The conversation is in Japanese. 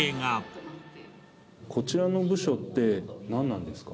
鳥だねこちらの部署って何なんですか？